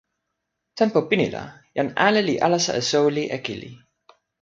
tenpo pini la jan ale li alasa e soweli e kili.